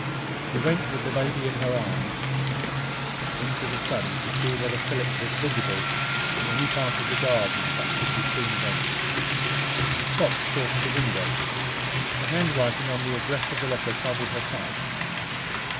She went, with the baby in her arms, into the study, to see whether Philip was visible in any part of the garden that could be seen thence. But she stopped short of the window. The handwriting on the address of the letter troubled her sight.